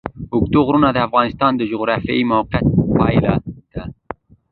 اوږده غرونه د افغانستان د جغرافیایي موقیعت پایله ده.